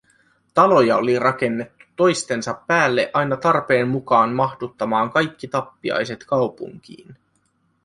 Taloja oli rakennettu toistensa päälle aina tarpeen mukaan mahduttamaan kaikki tappiaiset kaupunkiin.